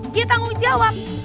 dia tanggung jawab